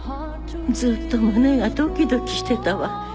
ずっと胸がドキドキしてたわ。